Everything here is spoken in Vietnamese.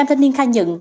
năm thanh niên khai nhận